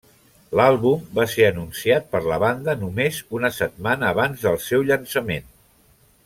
L'Àlbum va ser anunciat per la banda només una setmana abans del seu llançament.